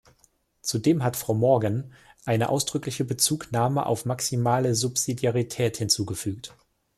Zudem hat Frau Morgan eine ausdrückliche Bezugnahme auf maximale Subsidiarität hinzugefügt.